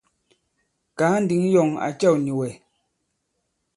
Kàa ǹdǐŋ yɔ̂ŋ à cɛ̂w nì wɛ̀.